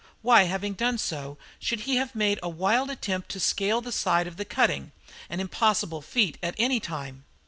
Why, having done so, should he have made a wild attempt to scale the side of the cutting, an impossible feat at any time?